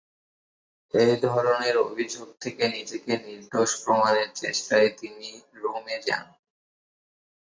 এধরনের অভিযোগ থেকে নিজেকে নির্দোষ প্রমাণের চেষ্টায় তিনি রোমে যান।